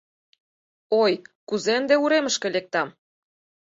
Ой, кузе ынде уремышке лектам?